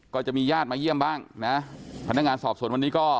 ก็จะมีญาติมาเยี่ยมบ้างนะพนักงานสอบส่วนวันนี้ก็